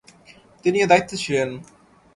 তিনি এ দায়িত্বে ছিলেন।